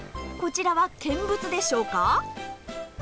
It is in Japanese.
こちらは見物でしょうか。